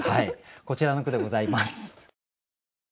こちらの句でございます。